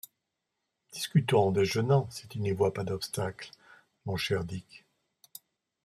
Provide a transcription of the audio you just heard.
Discutons en déjeunant, si tu n’y vois pas d’obstacle, mon cher Dick.